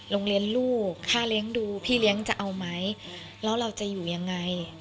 โรงเรียนลูกค่าเลี้ยงดูพี่เลี้ยงจะเอาไหมแล้วเราจะอยู่ยังไง